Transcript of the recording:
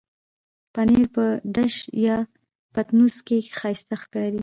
پنېر په ډش یا پتنوس کې ښايسته ښکاري.